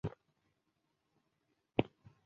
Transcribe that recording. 也表记为飞行第五战队。